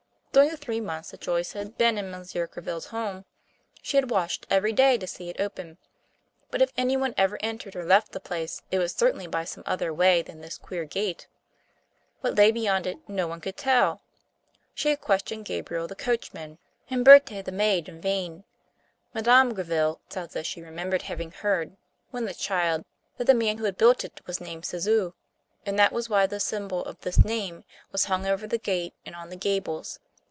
During the three months that Joyce had been in Monsieur Gréville's home, she had watched every day to see it open; but if any one ever entered or left the place, it was certainly by some other way than this queer gate. What lay beyond it, no one could tell. She had questioned Gabriel the coachman, and Berthé the maid, in vain. Madame Gréville said that she remembered having heard, when a child, that the man who built it was named Ciseaux, and that was why the symbol of this name was hung over the gate and on the gables.